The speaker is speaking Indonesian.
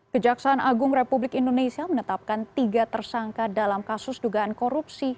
kejaksaan agung republik indonesia menetapkan tiga tersangka dalam kasus dugaan korupsi